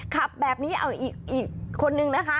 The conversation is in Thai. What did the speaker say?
ขับแบบนี้เอาอีกคนนึงนะคะ